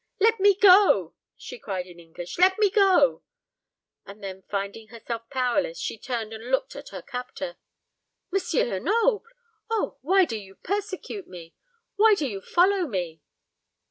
"Let me go!" she cried in English. "Let me go!" And then, finding herself powerless, she turned and looked at her captor. "M. Lenoble! O, why do you persecute me? Why do you follow me?"